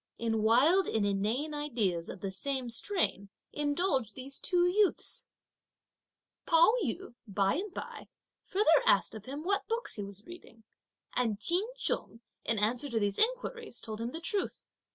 In wild and inane ideas of the same strain, indulged these two youths! Pao yü by and by further asked of him what books he was reading, and Ch'in Chung, in answer to these inquiries, told him the truth.